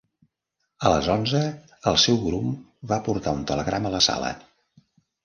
A les onze, el seu grum va portar un telegrama a la sala.